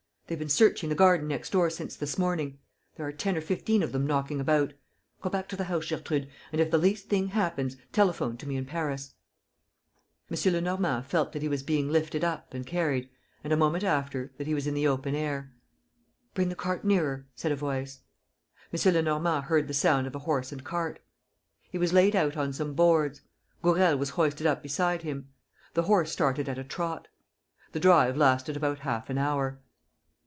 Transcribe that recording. They've been searching the garden next door since this morning ... there are ten or fifteen of them knocking about. ... Go back to the house, Gertrude, and, if the least thing happens, telephone to me in Paris." M. Lenormand felt that he was being lifted up and carried and, a moment after, that he was in the open air. "Bring the cart nearer," said a voice. M. Lenormand heard the sound of a horse and cart. He was laid out on some boards. Gourel was hoisted up beside him. The horse started at a trot. The drive lasted about half an hour.